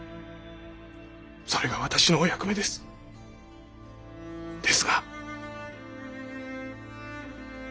それが私のお役目です。ですが。